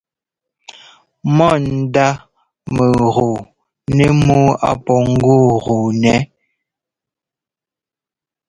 Mɔ ndá mɛgɔɔ nɛ mɔ́ɔ á pɔ́ ŋgɔɔgɔɔnɛ́.